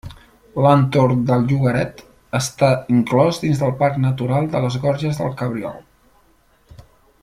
L'entorn del llogaret està inclòs dins del Parc Natural de les Gorges del Cabriol.